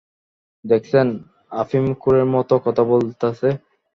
দেখসেন, আফিমখোরের মত, কথা বলতাছে।